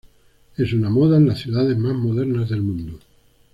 Es una moda en las ciudades más modernas del mundo.